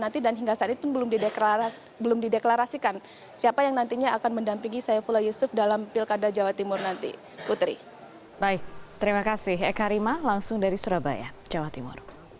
terima kasih banyak ibu